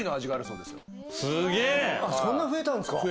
そんな増えたんすか。